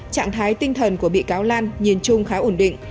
cái tinh thần của bị cáo lan nhìn chung khá ổn định